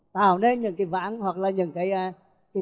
tạo nên những cái vãng hoặc là những cái